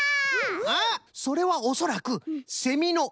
あっそれはおそらくセミのうかじゃな。